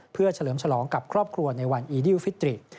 เพื่อเฉลิมฉลองกับครอบครัวในวันอีดิวฟิตริต